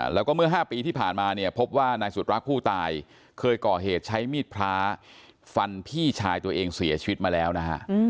แล้วก็เมื่อ๕ปีที่ผ่านมาเนี่ยพบว่านายสุดรักผู้ตายเคยก่อเหตุใช้มีดพระฟันพี่ชายตัวเองเสียชีวิตมาแล้วนะฮะ